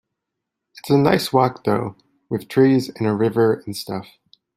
It's a nice walk though, with trees and a river and stuff.